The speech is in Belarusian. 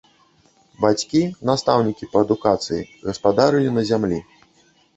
Бацькі, настаўнікі па адукацыі, гаспадарылі на зямлі.